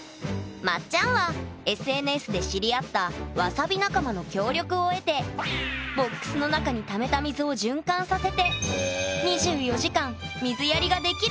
まっちゃんはＳＮＳで知り合ったわさび仲間の協力を得てボックスの中にためた水を循環させてを作り上げました！